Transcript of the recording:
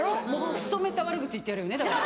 クソめた悪口言ってやるよねだから。